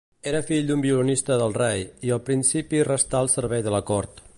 Era fill d'un violinista del rei, i al principi restà al servei de la cort.